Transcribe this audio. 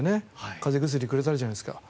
風邪薬くれたじゃないですか。